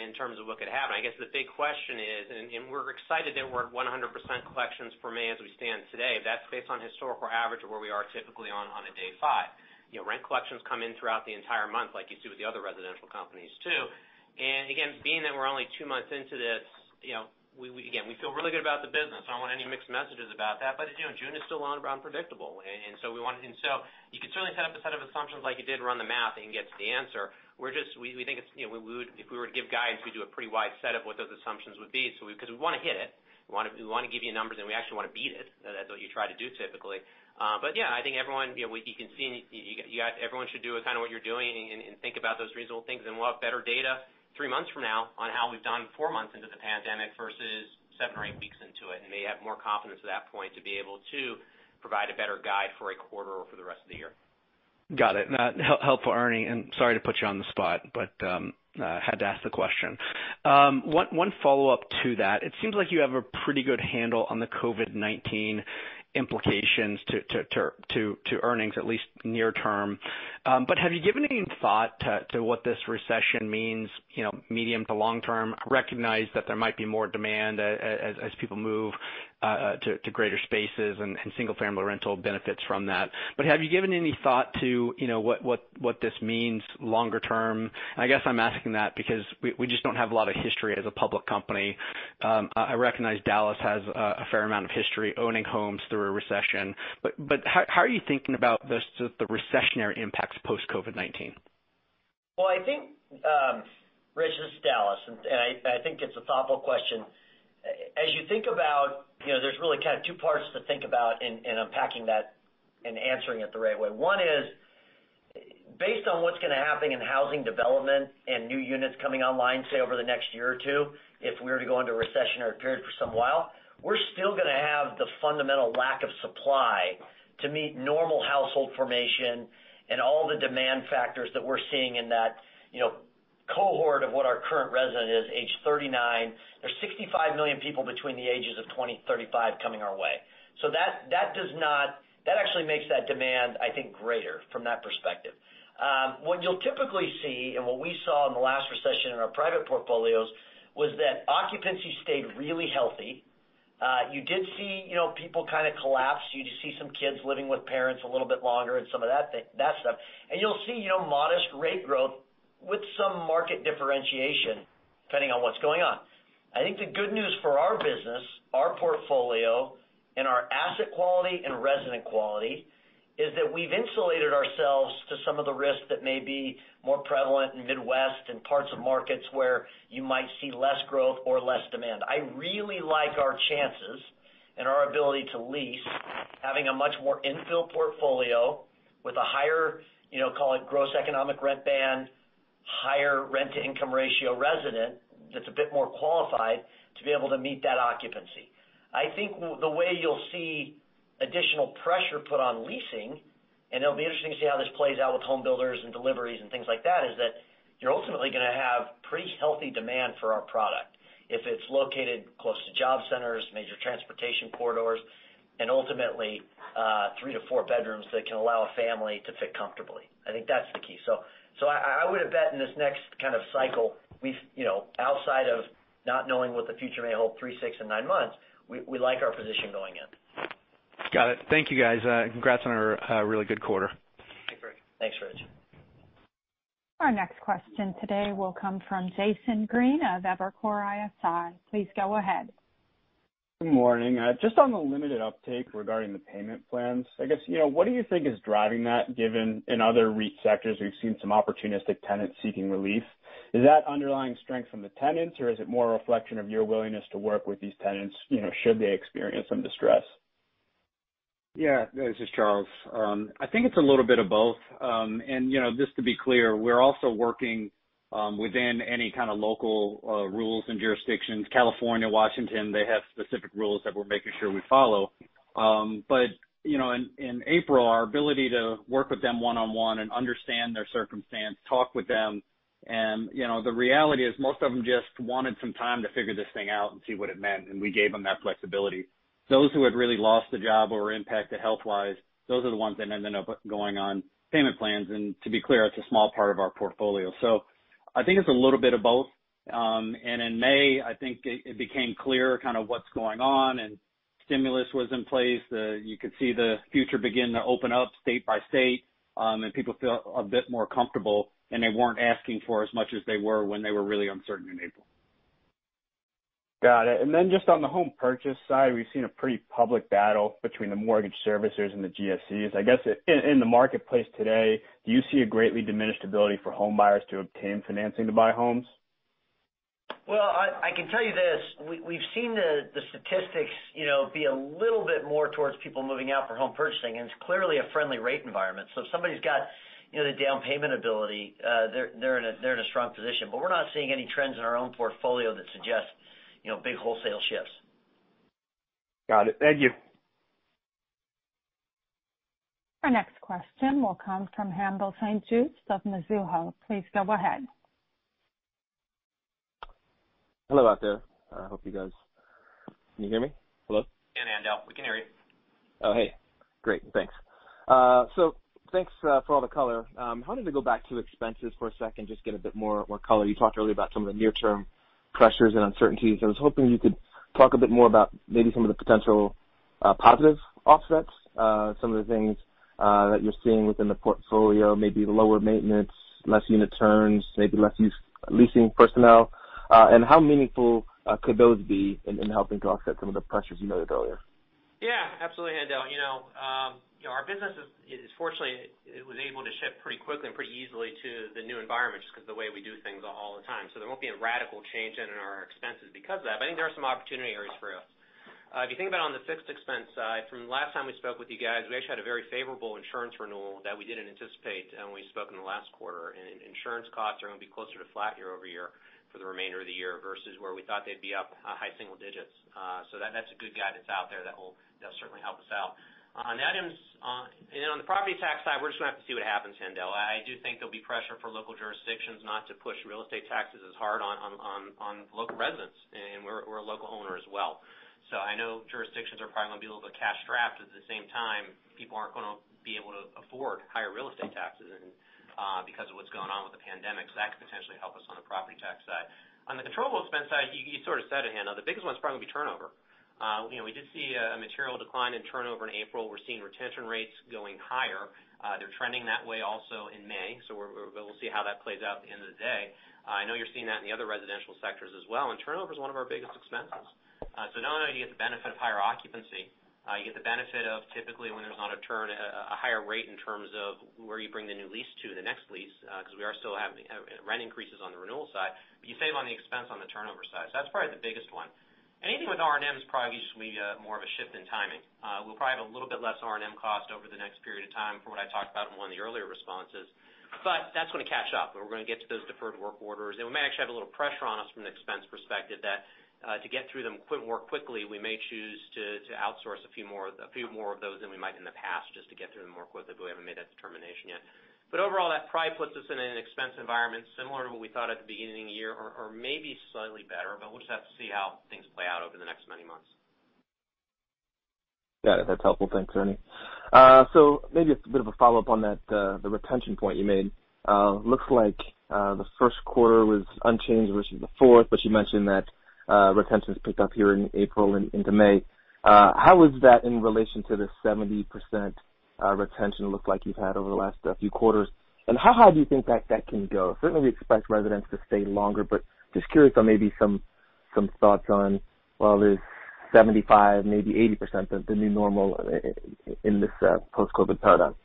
in terms of what could happen. I guess the big question is, we're excited that we're at 100% collections for May as we stand today. That's based on historical average of where we are typically on a day five. Rent collections come in throughout the entire month like you see with the other residential companies too. Again, being that we're only two months into this, again, we feel really good about the business. I don't want any mixed messages about that. June is still unpredictable. You can certainly set up a set of assumptions like you did, run the math, and get to the answer. We think if we were to give guidance, we'd do a pretty wide set of what those assumptions would be, because we want to hit it. We want to give you numbers, and we actually want to beat it. That's what you try to do typically. Yeah, I think everyone should do kind of what you're doing and think about those reasonable things, and we'll have better data three months from now on how we've done four months into the pandemic versus seven or eight weeks into it and may have more confidence at that point to be able to provide a better guide for a quarter or for the rest of the year. Got it. Helpful, Ernie, and sorry to put you on the spot, but had to ask the question. One follow-up to that. It seems like you have a pretty good handle on the COVID-19 implications to earnings at least near term. Have you given any thought to what this recession means medium to long term? I recognize that there might be more demand as people move to greater spaces and single-family rental benefits from that. Have you given any thought to what this means longer term? I guess I'm asking that because we just don't have a lot of history as a public company. I recognize Dallas has a fair amount of history owning homes through a recession, but how are you thinking about the recessionary impacts post-COVID-19? Well, I think, Rich, this is Dallas, and I think it's a thoughtful question. There's really kind of two parts to think about in unpacking that and answering it the right way. One is, based on what's going to happen in housing development and new units coming online, say, over the next year or two, if we were to go into a recession or a period for some while, we're still going to have the fundamental lack of supply to meet normal household formation and all the demand factors that we're seeing in that cohort of what our current resident is, age 39. There's 65 million people between the ages of 20-35 coming our way. That actually makes that demand, I think, greater from that perspective. What you'll typically see, and what we saw in the last recession in our private portfolios, was that occupancy stayed really healthy. You did see people kind of collapse. You did see some kids living with parents a little bit longer and some of that stuff. You'll see modest rate growth with some market differentiation depending on what's going on. I think the good news for our business, our portfolio, and our asset quality and resident quality, is that we've insulated ourselves to some of the risks that may be more prevalent in Midwest and parts of markets where you might see less growth or less demand. I really like our chances and our ability to lease, having a much more infill portfolio with a higher, call it gross economic rent band, higher rent-to-income ratio resident that's a bit more qualified to be able to meet that occupancy. I think the way you'll see additional pressure put on leasing, and it'll be interesting to see how this plays out with home builders and deliveries and things like that, is that you're ultimately going to have pretty healthy demand for our product if it's located close to job centers, major transportation corridors, and ultimately three to four bedrooms that can allow a family to fit comfortably. I think that's the key. I would have bet in this next kind of cycle, outside of not knowing what the future may hold three, six, and nine months, we like our position going in. Got it. Thank you guys. Congrats on a really good quarter. Great. Thanks, Rich. Our next question today will come from Jason Green of Evercore ISI. Please go ahead. Good morning. Just on the limited uptake regarding the payment plans, I guess, what do you think is driving that given in other REIT sectors, we've seen some opportunistic tenants seeking relief? Is that underlying strength from the tenants, or is it more a reflection of your willingness to work with these tenants should they experience some distress? Yeah. This is Charles. I think it's a little bit of both. Just to be clear, we're also working within any kind of local rules and jurisdictions. California, Washington, they have specific rules that we're making sure we follow. In April, our ability to work with them one-on-one and understand their circumstance, talk with them, and the reality is most of them just wanted some time to figure this thing out and see what it meant, and we gave them that flexibility. Those who had really lost a job or were impacted health-wise, those are the ones that ended up going on payment plans. To be clear, it's a small part of our portfolio. I think it's a little bit of both. In May, I think it became clearer kind of what's going on, and stimulus was in place. You could see the future begin to open up state-by-state, and people feel a bit more comfortable, and they weren't asking for as much as they were when they were really uncertain in April. Got it. Then just on the home purchase side, we've seen a pretty public battle between the mortgage servicers and the GSEs. I guess in the marketplace today, do you see a greatly diminished ability for homebuyers to obtain financing to buy homes? Well, I can tell you this. We've seen the statistics be a little bit more towards people moving out for home purchasing, and it's clearly a friendly rate environment. If somebody's got the down payment ability, they're in a strong position. We're not seeing any trends in our own portfolio that suggest big wholesale shifts. Got it. Thank you. Our next question will come from Haendel St. Juste of Mizuho. Please go ahead. Hello out there. Can you hear me? Hello? Yeah, Haendel. We can hear you. Oh, hey. Great. Thanks. Thanks for all the color. I wanted to go back to expenses for a second, just get a bit more color. You talked earlier about some of the near-term pressures and uncertainties. I was hoping you could talk a bit more about maybe some of the potential positive offsets, some of the things that you're seeing within the portfolio, maybe the lower maintenance, less unit turns, maybe less leasing personnel. How meaningful could those be in helping to offset some of the pressures you noted earlier? Yeah, absolutely, Haendel. Our business, fortunately, it was able to shift pretty quickly and pretty easily to the new environment just because the way we do things all the time. There won't be a radical change in our expenses because of that, but I think there are some opportunity areas for us. If you think about on the fixed expense side, from the last time we spoke with you guys, we actually had a very favorable insurance renewal that we didn't anticipate when we spoke in the last quarter. Insurance costs are going to be closer to flat year-over-year for the remainder of the year versus where we thought they'd be up high single digits. That's a good guide that's out there that'll certainly help us out. On the property tax side, we're just going to have to see what happens, Haendel. I do think there'll be pressure for local jurisdictions not to push real estate taxes as hard on local residents, and we're a local owner as well. I know jurisdictions are probably going to be a little bit cash strapped. At the same time, people aren't going to be able to afford higher real estate taxes because of what's going on with the COVID-19 pandemic. That could potentially help us on the property tax side. On the controllable expense side, you sort of said it, Haendel. The biggest one is probably going to be turnover. We did see a material decline in turnover in April. We're seeing retention rates going higher. They're trending that way also in May, so we'll see how that plays out end of the day. I know you're seeing that in the other residential sectors as well. Turnover is one of our biggest expenses. Not only do you get the benefit of higher occupancy, you get the benefit of typically when there's not a higher rate in terms of where you bring the new lease to the next lease, because we are still having rent increases on the renewal side, but you save on the expense on the turnover side. That's probably the biggest one. Anything with R&Ms probably gives me more of a shift in timing. We'll probably have a little bit less R&M cost over the next period of time from what I talked about in one of the earlier responses. That's going to catch up, and we're going to get to those deferred work orders. We may actually have a little pressure on us from an expense perspective that to get through them more quickly, we may choose to outsource a few more of those than we might in the past just to get through them more quickly, but we haven't made that determination yet. Overall, that probably puts us in an expense environment similar to what we thought at the beginning of the year or maybe slightly better, but we'll just have to see how things play out over the next many months. Got it. That's helpful. Thanks, Ernie. Maybe it's a bit of a follow-up on the retention point you made. Looks like the first quarter was unchanged versus the fourth, but you mentioned that retention's picked up here in April into May. How is that in relation to the 70% retention it looks like you've had over the last few quarters? How high do you think that can go? Certainly, we expect residents to stay longer, but just curious on maybe some thoughts on, well, is 75%, maybe 80% the new normal in this post-COVID product?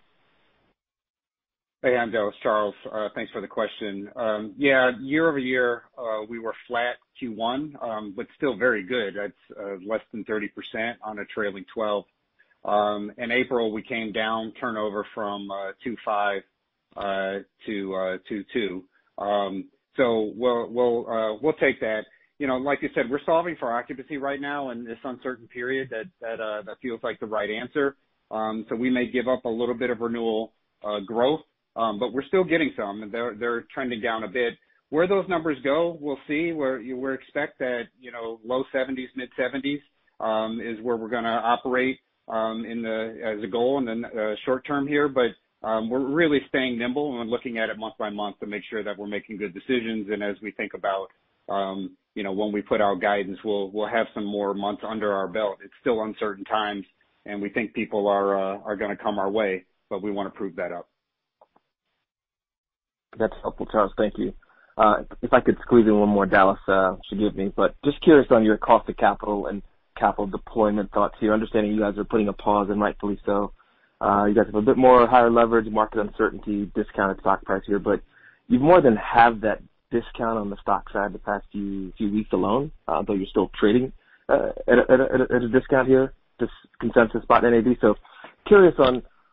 Hey, Haendel. It's Charles, thanks for the question. Year-over-year, we were flat Q1, but still very good. That's less than 30% on a trailing 12 months. In April, we came down turnover from 2.5% to 2.2%. We'll take that. Like you said, we're solving for occupancy right now in this uncertain period. That feels like the right answer. We may give up a little bit of renewal growth, but we're still getting some. They're trending down a bit. Where those numbers go, we'll see. We expect that low 70%s, mid-70s is where we're going to operate as a goal in the short term here. We're really staying nimble and looking at it month-by-month to make sure that we're making good decisions. As we think about when we put our guidance, we'll have some more months under our belt. It's still uncertain times, and we think people are going to come our way, but we want to prove that out. That's helpful, Charles. Thank you. If I could squeeze in one more, Dallas, forgive me, but just curious on your cost of capital and capital deployment thoughts here, understanding you guys are putting a pause, and rightfully so. You guys have a bit more higher leverage, market uncertainty, discounted stock price here, but you've more than halved that discount on the stock side the past few weeks alone, though you're still trading at a discount here, this consensus spot NAV. Curious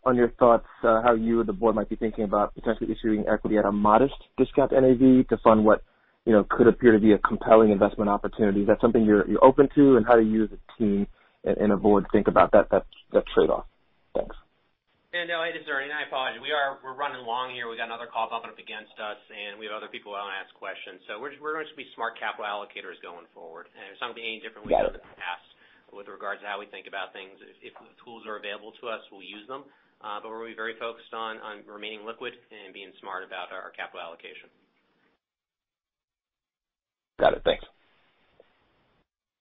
on your thoughts, how you or the Board might be thinking about potentially issuing equity at a modest discount to NAV to fund what could appear to be a compelling investment opportunity. Is that something you're open to, and how do you as a team and a Board think about that trade-off? Thanks. This is Ernie. I apologize. We're running long here. We got another call bumping up against us, and we have other people that want to ask questions. We're just going to be smart capital allocators going forward. It's not going to be any different than we've done in the past with regards to how we think about things. If tools are available to us, we'll use them. We'll be very focused on remaining liquid and being smart about our capital allocation. Got it. Thanks.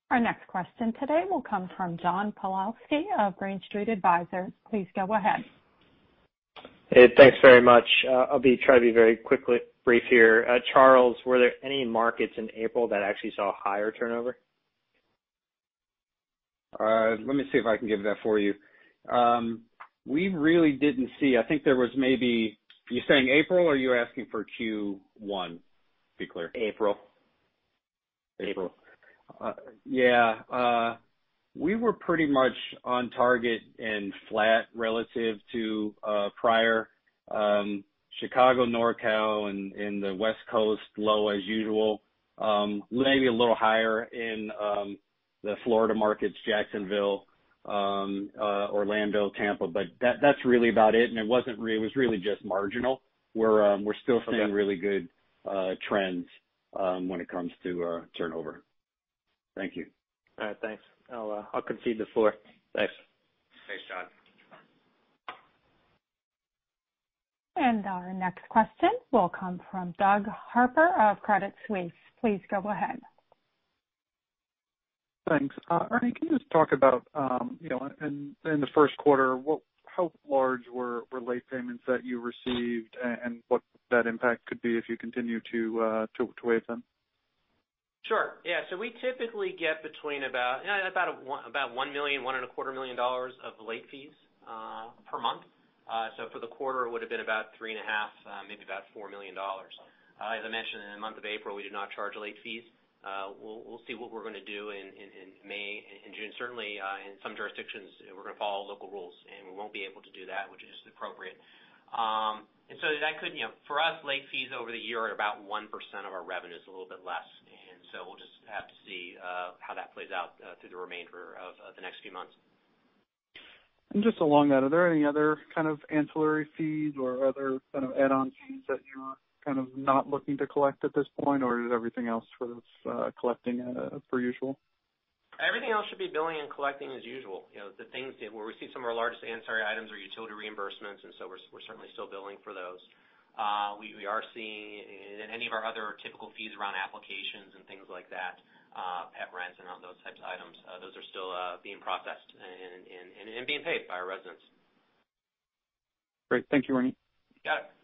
Our next question today will come from John Pawlowski of Green Street Advisors. Please go ahead. Hey. Thanks very much. I'll try to be very quickly brief here. Charles, were there any markets in April that actually saw higher turnover? Let me see if I can get that for you. We really didn't see. I think there was maybe. Are you saying April, or are you asking for Q1? Be clear. April. April. Yeah. We were pretty much on target and flat relative to prior. Chicago, NorCal, and the West Coast, low as usual. Maybe a little higher in the Florida markets, Jacksonville, Orlando, Tampa. That's really about it. It was really just marginal. We're still seeing really good trends when it comes to turnover. Thank you. All right. Thanks. I'll concede the floor. Thanks. Thanks, John. Our next question will come from Doug Harter of Credit Suisse. Please go ahead. Thanks. Ernie, can you just talk about in the first quarter, how large were late payments that you received and what that impact could be if you continue to waive them? Sure. Yeah. We typically get between about $1 million, $1.25 million of late fees per month. For the quarter, it would've been about $3.5 million, maybe about $4 million. As I mentioned, in the month of April, we did not charge late fees. We'll see what we're going to do in May and June. Certainly, in some jurisdictions, we're going to follow local rules, and we won't be able to do that, which is appropriate. For us, late fees over the year are about 1% of our revenue, it's a little bit less. We'll just have to see how that plays out through the remainder of the next few months. Just along that, are there any other kind of ancillary fees or other kind of add-on fees that you're kind of not looking to collect at this point, or is everything else for this collecting per usual? Everything else should be billing and collecting as usual. Where we see some of our largest ancillary items are utility reimbursements. We're certainly still billing for those. We are seeing in any of our other typical fees around applications and things like that, pet rents and all those types of items, those are still being processed and being paid by our residents. Great. Thank you, Ernie. Got it.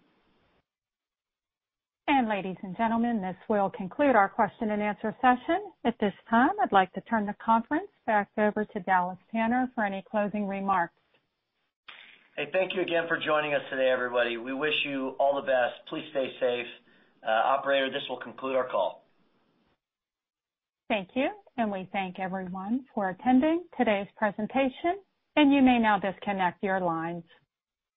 Ladies and gentlemen, this will conclude our question-and-answer session. At this time, I'd like to turn the conference back over to Dallas Tanner for any closing remarks. Hey, thank you again for joining us today, everybody. We wish you all the best. Please stay safe. Operator, this will conclude our call. Thank you, and we thank everyone for attending today's presentation, and you may now disconnect your lines.